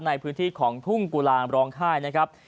ในพื้นที่ของทุ่งกุลางร้องไห้นะครับ